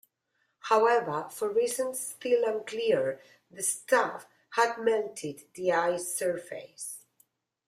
However, for reasons still unclear, the staff had melted the ice surface.